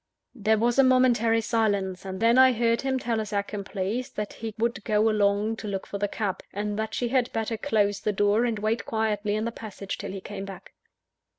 There was a momentary silence; and then I heard him tell his accomplice that he would go alone to look for the cab, and that she had better close the door and wait quietly in the passage till he came back.